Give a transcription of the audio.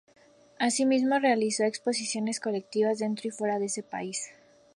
Asimismo realizó exposiciones colectivas dentro y fuera de ese país.